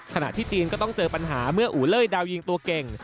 ขณะที่จีนก็ต้องเจอปัญหาเมื่ออูเล่ดาวยิงตัวเก่ง